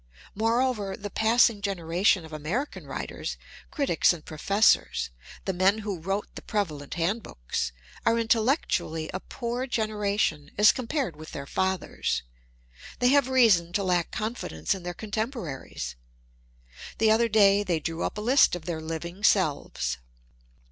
Moreover, the passing generation of American writers, critics and professors, the men who wrote the prevalent handbooks, are intellectually a poor generation as compared with their fathers. They have reason to lack confidence in their contemporaries. The other day they drew up a list of their living selves.